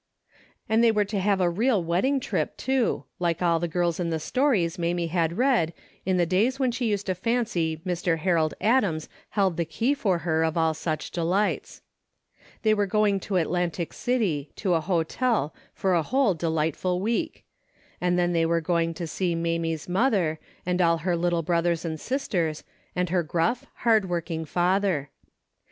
And they were to take a real wedding trip, too, like all the girls in the stories Mamie had read, in the days when she used to fancy Mr. Harold Adams held the key for her of all such delights. They were going to Atlantic City to a hotel for a whole delightful week, and then they were going to see Mamie's mother, and all her little brothers and sisters, and her gruff, hard working father.